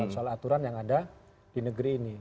soal aturan yang ada di negeri ini